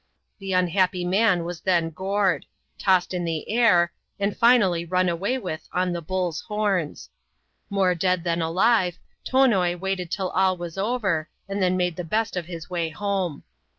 The unhappy man was then gored — tossed in the air — and finally run away with on the bull's horns. More dead than alive, Tonoi waited till all was over, and then made the best of his way home.